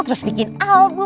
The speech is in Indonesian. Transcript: terus bikin album